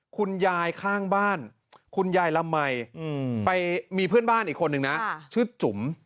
คุณยายข้างบ้านคุณยายละมัยไปมีเพื่อนบ้านอีกคนนึงนะชื่อจุ๋ม